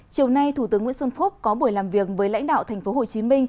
chiều nay thủ tướng nguyễn xuân phúc có buổi làm việc với lãnh đạo tp hcm